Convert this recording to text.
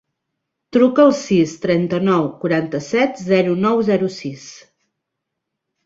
Truca al sis, trenta-nou, quaranta-set, zero, nou, zero, sis.